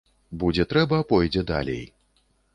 Будзе трэба, пойдзе далей.